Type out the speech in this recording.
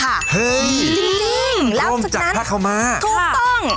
เฮ้ยจริงโป้งจากผ้าขาวม้าถูกต้อง